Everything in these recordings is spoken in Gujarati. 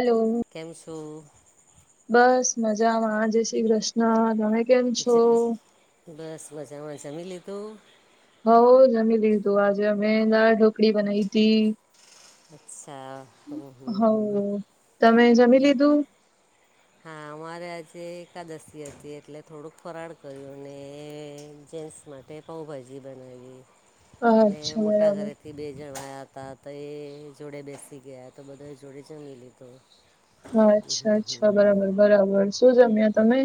હલો કેમ શું? બસ મજામાં જય શ્રી કૃષ્ણ તમે કેમ છો [inaudible] બસ મજામાં. જમી લીધું? હોવ જમી લીધું. આજે અમે દાળઢોકળી બનાઈ તી. અચ્છા હમ હમ હોવ હમ તમે જમી લીધું? હા અમારે આજે એકાદશી હતી એટલે થોડુંક ફરાળ કર્યું અને જેન્ટ્સ મા તે પઉંભાજી બનાવી અને અચ્છા મોટા બરાબર ઘરે તે બે જણ આયાતા ત એ જોડે બેસી ગયા તો બધાએ જોડે જમી લીધું. હહ અચ્છા અચ્છા બરાબર બરાબર શું જમ્યા તમે?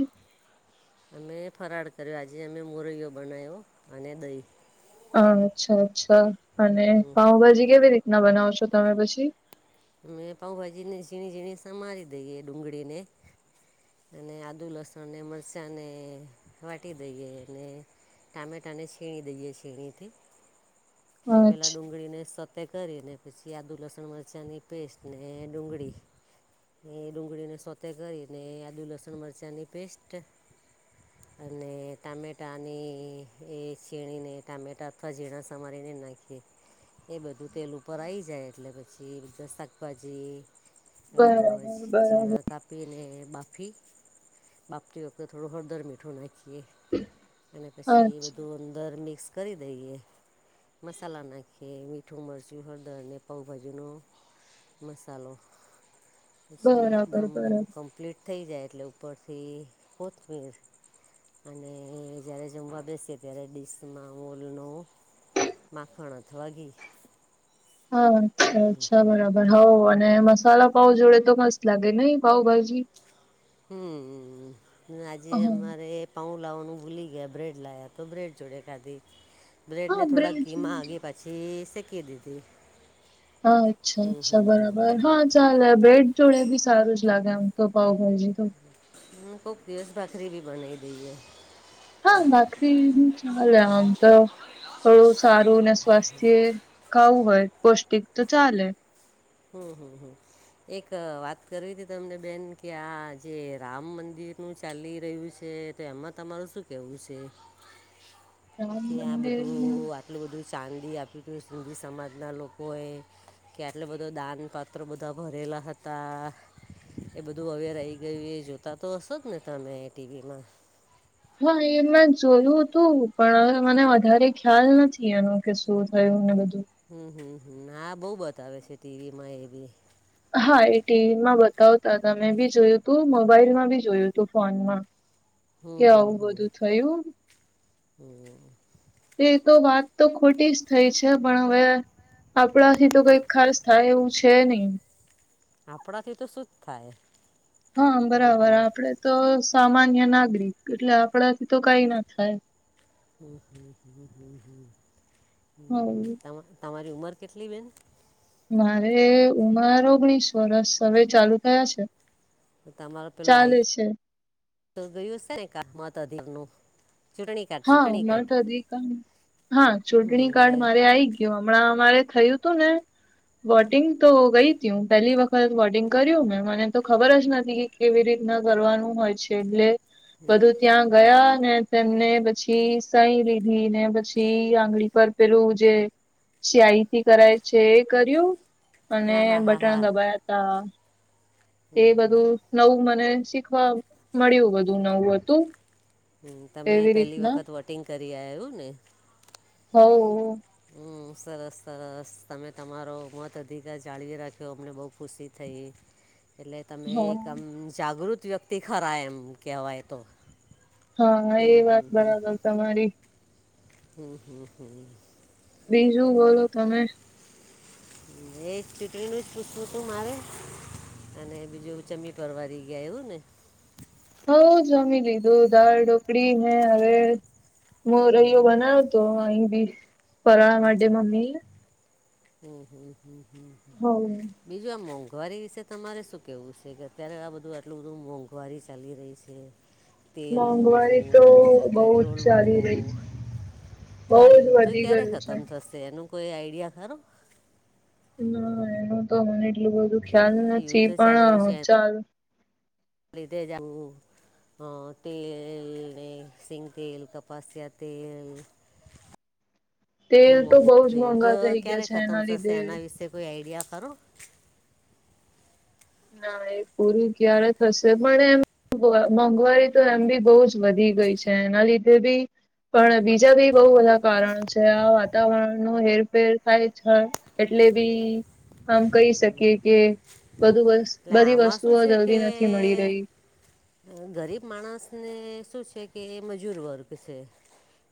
અમે ફરાળ કર્યો આજે અમે મોરૈયો બનાવ્યો અને દહીં. અચ્છા અચ્છા અને હમ. પાઉભાજી કેવી રીતના બનાવો છો તમે પછી? મેં પાઉભાજી ને ઝીણી ઝીણી સમારી દઈએ ડુંગળીને. અને આદુ, લસણને મરસાને વાટી દઈએ અને ટામેટાને છીણી દઈએ છીણીથી. એટલે પેલા અચ્છા ડુંગળીને સોતે કરીને પછી આદુ, લસણ, મરચાંની પેસ્ટને, ડુંગળી એ ડુંગળીને સોતે કરીને આદુ, લસણ, મરચાની પેસ્ટ. હ અને ટામેટાંની એ છીણીને ટામેટા અથવા ઝીણા સમારીને નાખીએ. એ બધું તેલ ઉપર આઈ જાય એટલે પછી બધાં શાકભાજી અ બરાબર બરાબર જીણા કાપીને બાફી બાફતી વખતે થોડું હળદર, મીઠું નાખીએ. અને પસી એ અચ્છા બધું અંદર મિક્સ કરી દઈએ. મસાલા નાખીએ. મીઠું, મરચું, હળદરને, પાઉંભાજીનો મસાલો પછી બરાબર એકદમ બરાબર કમ્પ્લીટ થઈ જાય એટલે ઉપરથી કોથમીર અને જયારે જમવા બેસીએ ત્યારે ડીશમાં ઓલનો માખણ અથવા ઘી હહ અચ્છા અચ્છા બરાબ બર હોવ અને મસાલા પાઉં જોડે તો મસ્ત લાગે નહી પાઉંભાજી? હમ ને આજે હ અમારે પાઉ લાવવાનું ભૂલી ગયા બ્રેડ લાયા તો બ્રેડ જોડે ખાધી. બ્રેડને હા થોડાક બ્રેડ જોડે ઘીમાગી પછી શેકી દીધી. હા અચ્છા હમ અચ્છા હમ બરાબર ચાલે બેડ જોડે ભી સારું જ લાગે આમ તો પાાવભાજી તો હું કોક દિવસ ભાખરી બી બનાવી દઈ. હા બાકરી ચાલે આમ તો થોડું સારું ને સ્વાસ્થ્ય. ખાવું હોય પૌષ્ટિક તો ચાલે હમ હમ હમ એક વાત કરવી હતી તમને બેન કે આ જે રામ મંદિર નું ચાલી રહ્યું છે તો એમાં તમારું શું કેવું છે? [inaudible] ત્યા આ મંદિર નું બધું આટલું બધું ચાંદી આપ્યું હત સિંધી સમાજના લોકોએ કે આટલું બધું બધ દાન પાત્રો બધા ભરેલા હતા. એ બધું અવેર આઈ ગયું એ જોતા તો હશો જ ને તમે ટીવીમાં? હા એ મેં જોયું હતું પણ હવે મને વધારે ખ્યાલ નથી એનું કે શું થયું ને બધું? હમ હમ હમ હા બહુ બતાવે છે ટીવીમાં એવી હા એ ટીવીમાં બતાવતા તમે બી જોયું તું મોબાઈલ માં બી જોયું તું ફોનમાં હમ કે હમ આવું હમ બધું થયું. હમ એ તો વાત તો ખોટી જ થઈ છે પણ હવે આપણાથી તો કંઈક ખાસ થાય એવું છે નહી. આપણાથી તો શું જ થાય? હા હમ બરાબર હમ આપડે તો સામાન્ય નાગરિક એટલે આપણા થી તો કઈ ના થાય. હ હ હ હ હ હ હ તમારી ઉંમર કેટલી બેન? મારે ઉમર ઓગણીસ વરષ હવે ચાલુ થયા છે. તમાર પેલું આઈ ચાલે છે ગયું હશે ને ક મત અધિક નું? હા મત અધિક હા હમ ચૂંટણી તમે કાર્ડ મારે આવીઈ હમણાં અમારે થયું તું ને? વોટિંગ તો ગઈ તું પેલી વખત વોટિંગ કર્યું મેં મને તો ખબર જ નથી. કેવી રીતના કરવાનું હોય છે એટલે બધું ત્યાં ગયા ને તેમને પછી સહી લીધી ને પછી આંગળી પર પેલુંજે શિયાઈથી કરાય છે કર્યું. અને હા હા હા બટણ હા દબાયા તા એ બધું નવું મને શીખવા મળ્યું બધું નવું હતું. હ તમે એવી પહેલી રીતના વખત વોટિંગ કરી આવ્યું ને? હવ હ સરસ સરસ તમે તમારો મત અધિકાર જાળવી રાખ્યો અમને બહુ ખુશી થઈ. [unintelligible] [inaudible] એટલે તમે હ એક આમ જાગૃત વ્યક્તિ ખરા એમ કહેવાય તો? હા હમ એ વાત હમ બરાબર તમારી હમ હમ હમ બીજું બોલો તમે? એ ચૂટણીનું જ પૂછવું તું મારે? અને બીજું ચમી પરવારી ગયા ને? હઉ જમી લીધું દાળ ઢોકળી ને હવે મો રહૈ્યો બનાવ તો અહી બી ફરાળવા માટે અચ્છા મમ્મી હમ હમ હમ હમ હ બીજું આ મોંઘવારી વિશે તમારે શું કહેવું છે કે અત્યારે આ બધું આટલું બધું મોંઘવારી ચાલી રહી છે? હ તેલ મોંઘું અનેને પેટ્રોલ જ ચાલી રહી મોંઘું છે તો બહુ આ જ યુદ્ધ વધી ક્યારે ગયું છે. ખતમ થશે એનું કોઈ આઈડિયા ખરો ના એનું તો મને એટલું બધું ખ્યાલ યુદ્ધ નથી પણ ચાલ લીદે જાવુ તેલને સિંગ તેલ કપાસ્યા તેલ તેલ તો મોઘ બહુ જ થયું તો મોંઘા થઈ ક્યારે ગયા છે ખતમ એના થશે લીધે એના વિશે કોઈ આઈડિયા કરો ના એ પૂરું ક્યારે થશે પણ એમ મોંઘવારી તો એમ બી બહુ જ વધી ગઈ છે એના લીધે બી પણ બીજા બી બહુ બધા કારણો છે આ વાતાવરણ ન હેરફેર થાય છે એટલે બી આમ કહી શકીએ કે વધધું બસ લામાં શું છે કે ગરીબ માણસ ને શું છે કે મજૂર વર્ગ છે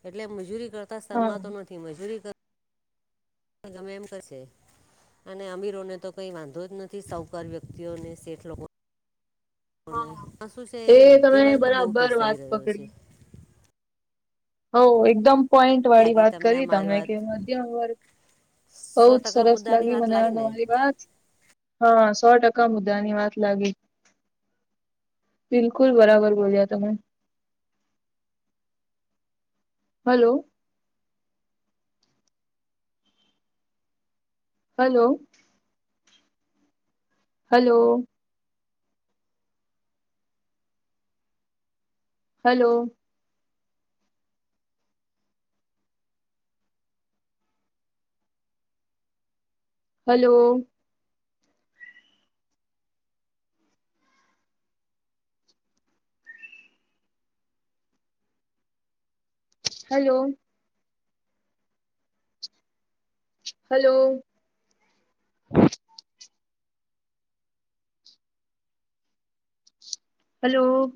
એટલે મજૂરી કરતા હા શર્મતો નથી મજૂરી ગમે એમ કરશે અને અમીરોને તો કઈ વાંધો જ નથી સહકાર વ્યક્તિઓને શેઠ લોકો હા, આ શું છે એ મધ્ય તમે વર્ગ બહુ બરાબર પીસાઈ વાત રહ્યો છે હ એકદમ પોઈન્ટ વાળી લાગી વાત તમને આ કરી મારી તમે વાત કે મધ્યમ વર્ગ બઉ સો જ ટકા સરસ મુદ્દાની લાગી વાત મને આ ને તમારી વાત હા સો ટકા મુદ્દાની વાત લાગી બિલકુલ બરાબર બોલ્યા તમે hello hello hello hello hello hello hello હલોલો